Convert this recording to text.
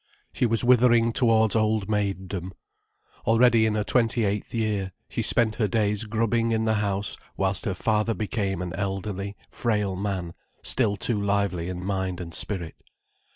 She was withering towards old maiddom. Already in her twenty eighth year, she spent her days grubbing in the house, whilst her father became an elderly, frail man still too lively in mind and spirit.